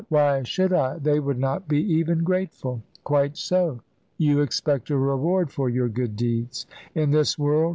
Why should I? They would not be even grateful." "Quite so. You expect a reward for your good deeds." "In this world.